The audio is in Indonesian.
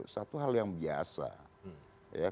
satu hal yang biasa